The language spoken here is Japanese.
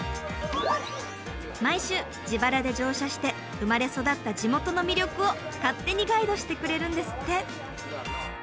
毎週自腹で乗車して生まれ育った地元の魅力を勝手にガイドしてくれるんですって。